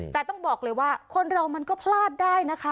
แต่ต้องบอกเลยว่าคนเรามันก็พลาดได้นะคะ